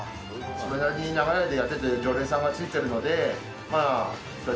それなりに長い間やってて、常連さんがついてるので、そうや